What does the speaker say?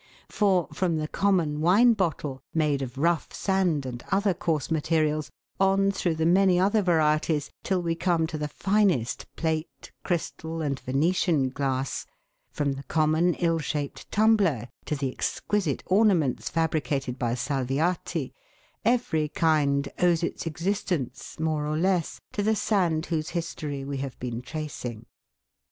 For, from the common wine bottle, made 01 rough sand and other coarse materials, on through the many other varieties, till we come to the finest plate, crystal, and Venetian glass ; from the common ill shaped tumbler to the exquisite ornaments fabricated by Salviati every kind owes its existence, more or less, to the sand whose history we have been tracing.